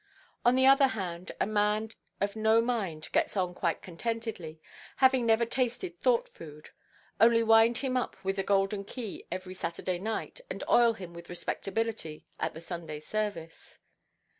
On the other hand, a man of no mind gets on quite contentedly, having never tasted thought–food; only wind him up with the golden key every Saturday night, and oil him with respectability at the Sunday service.